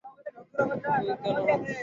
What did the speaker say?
তুই কেনো হাসছিস?